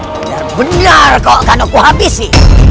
benar benar kau akan aku habisi